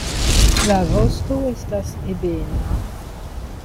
La vosto estas ebena.